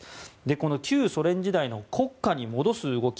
この旧ソ連時代の国歌に戻す動き